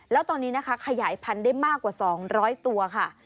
แล้วตอนนี้นะคะขยายพันธุ์ได้มากกว่า๒๐๐ตัวค่ะ